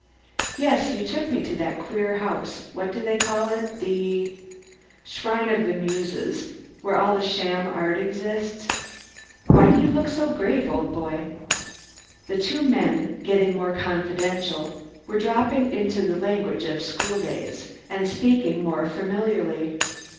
"Yes! You took me to that queer house. What do they call it? the 'Shrine of the Muses' where all the sham art exists. Why do you look so grave, old boy?" The two men, getting more confidential, were dropping into the language of school days and speaking more familiarly.